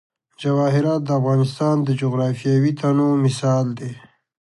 جواهرات د افغانستان د جغرافیوي تنوع مثال دی.